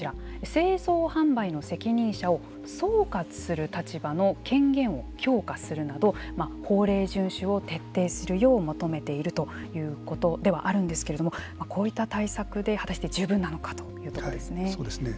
製造・販売の責任者を総括する立場の権限を強化するなど、法令順守を徹底するよう求めているということではあるんですけれどもこういった対策で果たして十分なのかそうですね。